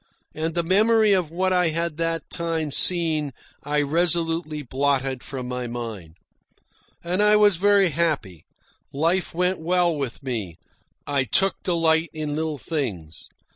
And the memory of what I had that time seen I resolutely blotted from my mind. And I was very happy. Life went well with me, I took delight in little things.